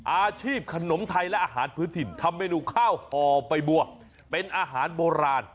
อาชีพขนมไทยและอาหารพื้นถิ่นทำเมนูข้าวห่อใบบัวเป็นอาหารโบราณ